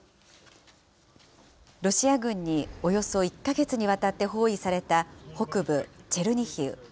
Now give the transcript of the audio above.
ロシア軍におよそ１か月にわたって包囲された北部チェルニヒウ。